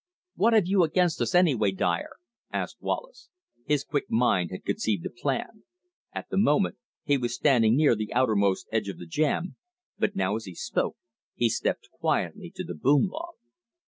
"What have you against us, anyway, Dyer?" asked Wallace. His quick mind had conceived a plan. At the moment, he was standing near the outermost edge of the jam, but now as he spoke he stepped quietly to the boom log.